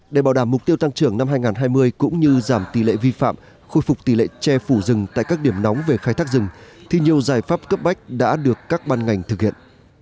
để bảo đảm mục tiêu tăng trưởng năm hai nghìn hai mươi cũng như giảm tỷ lệ vi phạm khôi phục tỷ lệ che phủ rừng tại các điểm nóng về khai thác rừng thì nhiều giải pháp cấp bách đã được các ban ngành thực hiện